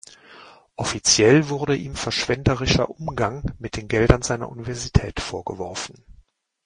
Offiziell wurde ihm verschwenderischer Umgang mit den Geldern seiner Universität vorgeworfen.